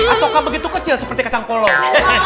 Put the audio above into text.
ataukah begitu kecil seperti kacang kolong